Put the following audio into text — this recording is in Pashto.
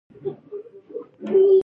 زما دغه خبرې ته عقل نه رسېږي